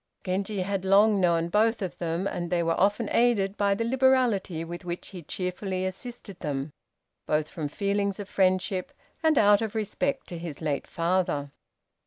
Genji had long known both of them, and they were often aided by the liberality with which he cheerfully assisted them, both from feelings of friendship, and out of respect to his late father.